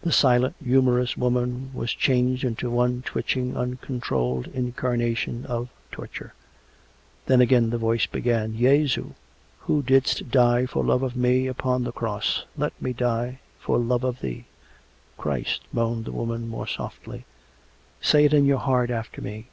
The silent, humorous woman was changed into one twitching, uncontrolled incarnation of torture. Then again the voice began: " Jesu, Who didst die for love of me — upon the Cross — let me die — for love of Thee." " Christ !" moaned the woman more softly. " Say it in your heart, after me.